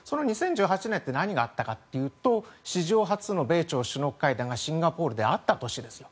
その２０１８年って何があったかというと史上初の米朝首脳会談がシンガポールであった年です。